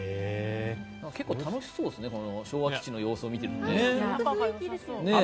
結構楽しそうですね昭和基地の様子を見ていると。